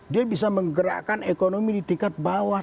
dia bisa menggerakkan ekonomi di tingkat bawah